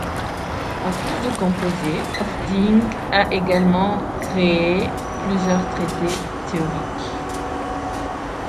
En plus de composer, Høffding a également écrit plusieurs traités théoriques.